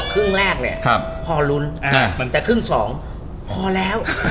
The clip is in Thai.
ครึ่งแรกเนี้ยครับพอลุ้นอ่าเหมือนแต่ครึ่งสองพอแล้ว